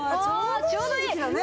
ちょうどいい時期だね。